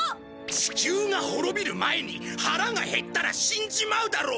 地球が滅びる前に腹が減ったら死んじまうだろ！